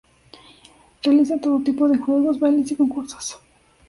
Realizan todo tipo de juegos, bailes y concursos.